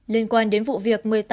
liên quan đến vụ việc